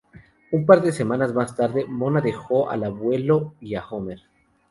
Un par de semanas más tarde, Mona dejó al abuelo y a Homer.